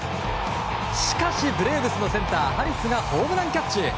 しかし、ブレーブスのセンターハリスがホームランキャッチ。